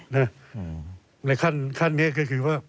ในขั้นนี้ก็คือว่า